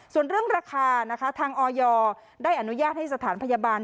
ส่วนเรื่องราคานะคะทางออยได้อนุญาตให้สถานพยาบาล